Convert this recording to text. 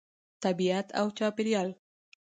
طبیعت او چاپیریال